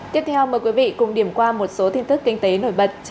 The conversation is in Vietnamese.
tiếp theo mời quý vị cùng điểm qua một số tin tức kinh tế nổi bật trong hai mươi bốn giờ qua